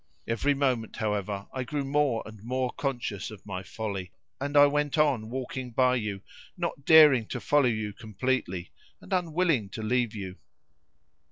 Every moment, however, I grew more and more conscious of my folly, and I went on walking by you, not daring to follow you completely, and unwilling to leave you.